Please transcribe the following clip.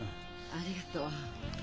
ありがとう。